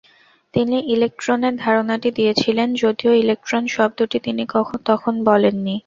তিনি ইলেকট্রনের ধারণাটি দিয়েছিলেন, যদিও ইলেকট্রন শব্দটি তিনি তখন বলেননি।